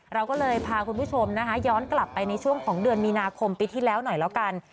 เราก็เลยพาคุณผู้ชมนะคะย้อนกลับไปในช่วงของเดือนมีนาคมปีที่แล้วหน่อยแล้วกัน